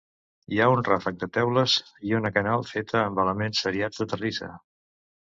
Hi ha un ràfec de teules i una canal feta amb elements seriats de terrissa.